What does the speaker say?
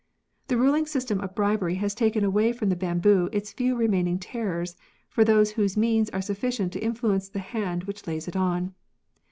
The ruling system of bribery has taken away from the bamboo its few remaining terrors for those whose means are sufiicient to influence the hand which lays it on.